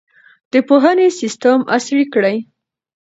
د پوهنې سیستم عصري کړئ.